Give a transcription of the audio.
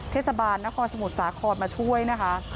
เทศบาลนครสมุทรสาครมาช่วยนะคะ